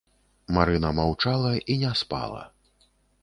Марына маўчала і не спала.